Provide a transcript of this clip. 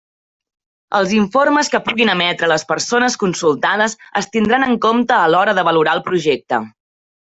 Els informes que puguin emetre les persones consultades es tindran en compte a l'hora de valorar el projecte.